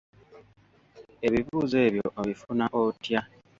Ebibuuzo ebyo obifuna otya?